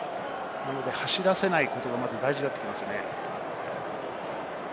走らせないことが、まず大事になってきます。